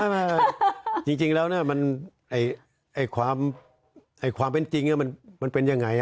ไม่จริงแล้วนะความเป็นจริงมันเป็นอย่างไร